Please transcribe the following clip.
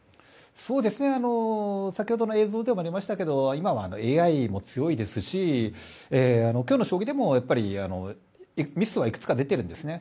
先ほどの映像でもありましたけど今はＡＩも強いですし今日の将棋でも、ミスはいくつか出ているんですね。